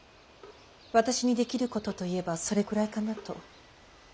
私にできることといえばそれくらいかなと。